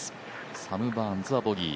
サム・バーンズはボギー。